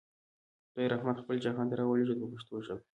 خدای رحمت خپل جهان ته راولېږه په پښتو ژبه.